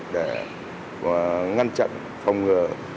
để ngăn chặn phòng ngừa